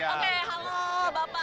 oke halo bapak